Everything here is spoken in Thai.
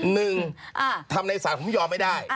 นึงทำใดสัตว์ผมยอมไม่ได้